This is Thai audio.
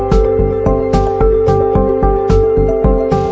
จริงจริงจริงจริงจริงจริงจริงพี่แจ๊คเฮ้ยสวยนะเนี่ยเป็นเล่นไป